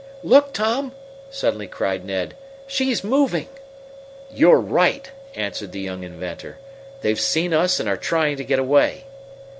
"Look, Tom!" suddenly cried Ned. "She's moving!" "You're right!" answered the young inventor. "They've seen us and are trying to get away."